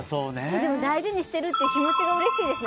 でも大事にしてるという気持ちがうれしいですね。